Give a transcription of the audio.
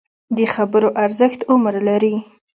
د خبرو ارزښت عمر لري